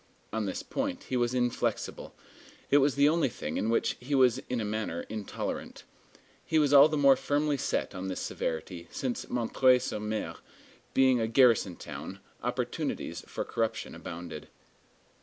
On this point he was inflexible. It was the only thing in which he was in a manner intolerant. He was all the more firmly set on this severity, since M. sur M., being a garrison town, opportunities for corruption abounded.